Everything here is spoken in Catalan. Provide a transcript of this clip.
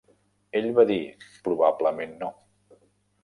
Ell va dir: "Probablement no.